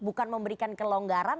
bukan memberikan kelonggaran